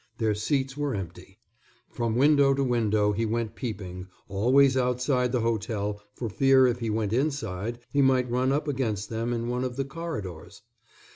Their seats were empty. From window to window he went peeping, always outside the hotel for fear if he went inside he might run up against them in one of the corridors.